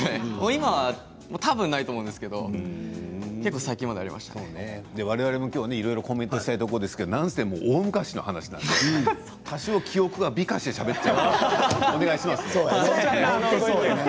今はたぶんないと思うんですけれどわれわれ、いろいろコメントしたいところなんですけれどもなんせ大昔なので多少記憶を美化してしゃべっちゃうかもしれないからお願いします。